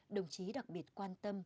đồng chí đặc biệt quan tâm